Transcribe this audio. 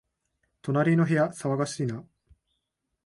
隣の部屋、騒がしいな